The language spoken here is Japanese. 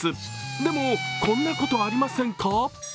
でも、こんなことありませんか？